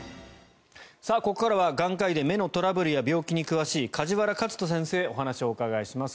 ここからは眼科医で目のトラブルや病気に詳しい梶原一人先生にお話をお伺いします。